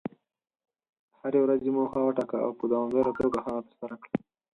د هرې ورځې موخه وټاکه، او په دوامداره توګه هغه ترسره کړه.